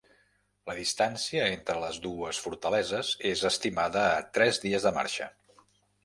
La distància entre les dues fortaleses és estimada a tres dies de marxa.